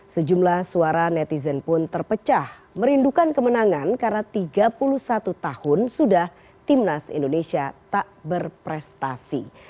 sejumlah suara netizen pun terpecah merindukan kemenangan karena tiga puluh satu tahun sudah timnas indonesia tak berprestasi